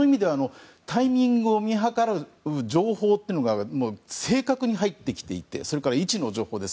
その意味では、タイミングを見計らう情報というのが正確に入ってきていて位置の情報も。